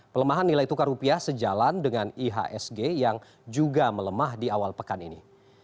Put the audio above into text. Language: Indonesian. pelemahan nilai tukar rupiah sejalan dengan ihsg yang juga melemah di awal pekan ini